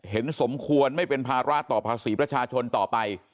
สมควรไม่เป็นภาระต่อภาษีประชาชนต่อไป